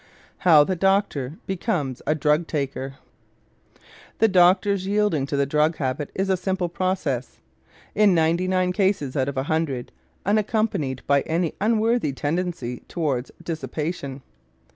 HOW THE DOCTOR BECOMES A DRUG TAKER The doctor's yielding to the drug habit is a simple process, in ninety nine cases out of a hundred unaccompanied by any unworthy tendency toward dissipation.